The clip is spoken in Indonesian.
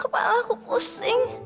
kepala aku pusing